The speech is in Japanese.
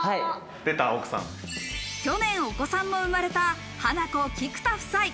去年お子さんも生まれたハナコ・菊田夫妻。